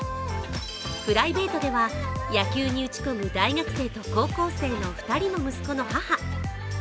プライベートでは野球に打ち込む大学生と高校生の２人の息子の母。